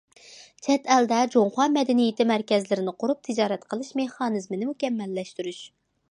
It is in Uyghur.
چەت ئەلدە جۇڭخۇا مەدەنىيىتى مەركەزلىرىنى قۇرۇپ تىجارەت قىلىش مېخانىزمىنى مۇكەممەللەشتۈرۈش.